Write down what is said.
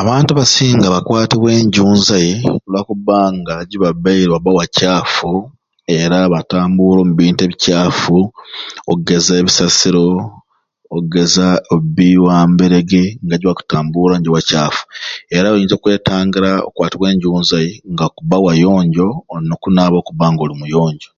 Abantu abasinga bakwatibwa enjunzai lwa kubba nga gibabaire wabba wa caafu era batambuura omubintu ebicaafu oggeza ebisasiro, oggeza obbi wa mberege nga gibakutambuura niyo wa caafu era oyinza okwetangira okukwatibwa enjunzai nga akubba wayonjo olina okunaaba okubba nga oli muyonjo.